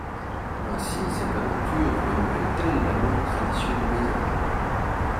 Ainsi cette aventure renouvelle-t-elle la longue tradition du paysage.